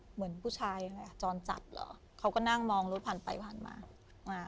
เหมือนผู้ชายค่ะจรจัดเหรอเขาก็นั่งมองรถผ่านไปผ่านมามา